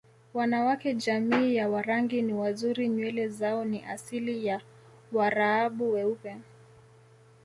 Wanawake jamii ya Warangi ni wazuri nywele zao ni asili ya waraabu weupe